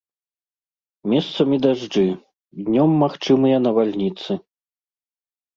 Месцамі дажджы, днём магчымыя навальніцы.